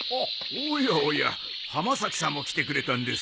おやおや浜崎さんも来てくれたんですか。